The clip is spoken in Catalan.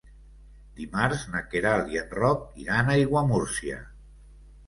Dimarts na Queralt i en Roc iran a Aiguamúrcia.